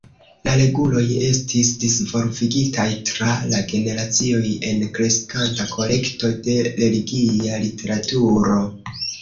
La reguloj estis disvolvigitaj tra la generacioj en kreskanta kolekto de religia literaturo.